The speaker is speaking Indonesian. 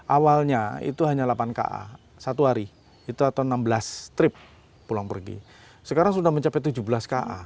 awalnya itu hanya delapan ka satu hari itu atau enam belas trip pulang pergi sekarang sudah mencapai tujuh belas ka